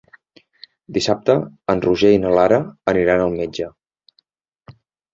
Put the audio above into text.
Dissabte en Roger i na Lara aniran al metge.